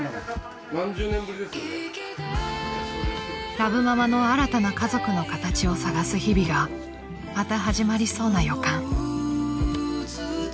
［ラブママの新たな家族の形を探す日々がまた始まりそうな予感］